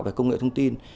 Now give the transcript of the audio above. về công nghệ thông tin